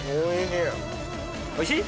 おいしい！